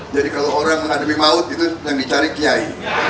jadi kalau orang menghadapi maut itu yang dicari kiai